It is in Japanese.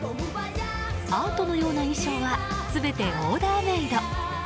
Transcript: アートのような衣装は全てオーダーメイド。